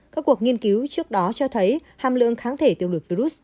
các cuộc nghiên cứu trước đó cho thấy hàm lượng kháng thể tiêu lửa virus